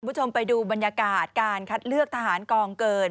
คุณผู้ชมไปดูบรรยากาศการคัดเลือกทหารกองเกิน